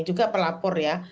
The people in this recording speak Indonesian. juga pelapor ya